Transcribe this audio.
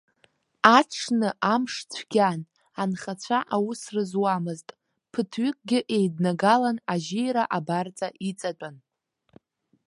Аҽны амш цәгьан, анхацәа аус рызуамызт, ԥыҭҩыкгьы еиднагалан, ажьира абарҵа иҵатәан.